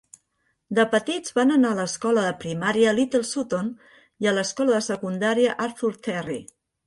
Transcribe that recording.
De petits van anar a l'Escola de Primària Little Sutton i a l'Escola de Secundària Arthur Terry.